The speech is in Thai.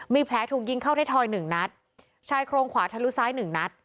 มีแผลถูกยิงเข้าไทยทอยหนึ่งนัดชายโครงขวาทะลุซ้ายหนึ่งนัด